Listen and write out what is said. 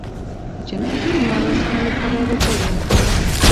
د جنازې مراسمو لپاره روپۍ ورکړې.